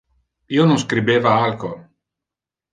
Io non scribeva alco.